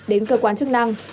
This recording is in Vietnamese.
đến cơ quan chức năng